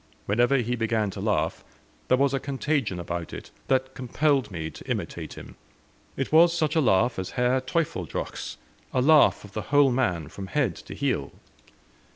Whenever he began to laugh, there was a contagion about it, that compelled me to imitate him. It was such a laugh as Herr Teufelsdrockh's a laugh of the whole man from head to heel.